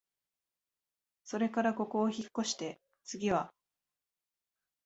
それからここをひっこして、つぎは、